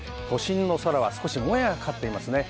都心の空は、少しもやがかかっています。